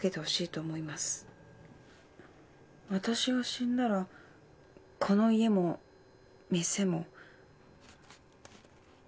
私が死んだらこの家も店も」